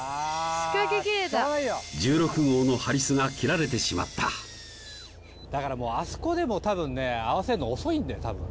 仕掛け切れた１６号のハリスが切られてしまっただからもうあそこでもたぶんね合わせるの遅いんだよたぶん